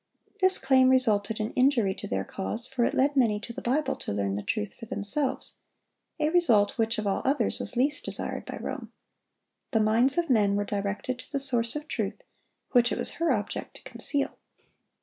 This claim resulted in injury to their cause, for it led many to the Bible to learn the truth for themselves,—a result which of all others was least desired by Rome. The minds of men were directed to the Source of truth, which it was her object to conceal.